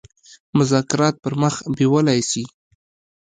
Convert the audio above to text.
مذاکرات پر مخ بېولای سي.